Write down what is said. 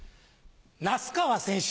那須川選手